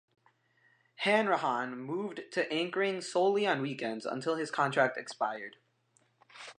Hanrahan moved to anchoring solely on weekends until his contract expired.